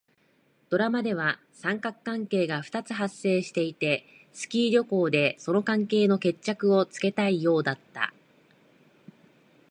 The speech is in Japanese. ドラマでは三角関係が二つ発生していて、スキー旅行でその関係の決着をつけたいようだった。